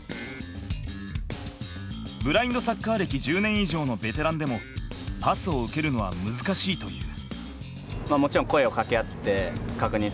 ブラインドサッカー歴１０年以上のベテランでもパスを受けるのは難しいという。